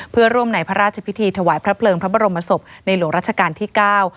เพื่อร่วมในพระราชพิธีถวายพระเพลิงพระบรมศพในหลวงรัชกาลที่เก้า